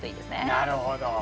なるほど。